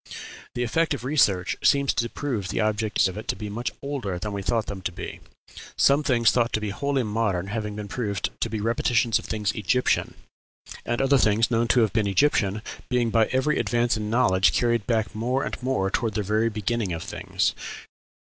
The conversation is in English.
The effect of research seems to be to prove the objects of it to be much older than we thought them to be some things thought to be wholly modern having been proved to be repetitions of things Egyptian, and other things known to have been Egyptian being by every advance in knowledge carried back more and more toward the very beginning of things.